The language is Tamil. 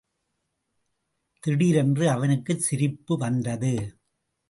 திடீரென்று அவனுக்குச் சிரிப்பு வந்தது.